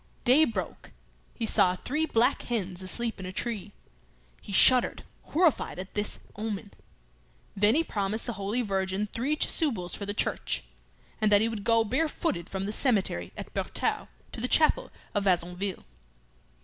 Day broke. He saw three black hens asleep in a tree. He shuddered, horrified at this omen. Then he promised the Holy Virgin three chasubles for the church, and that he would go barefooted from the cemetery at Bertaux to the chapel of Vassonville.